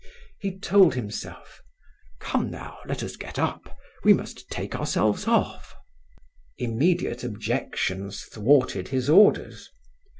He told himself: "Come now, let us get up, we must take ourselves off." Immediate objections thwarted his orders.